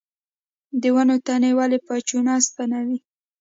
د ونو تنې ولې په چونه سپینوي؟